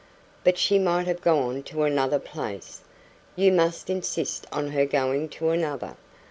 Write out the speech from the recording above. "But she might have gone to another place." "You must insist on her going to another."